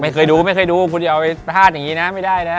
เคยดูไม่เคยดูคุณอย่าเอาไปพลาดอย่างนี้นะไม่ได้นะ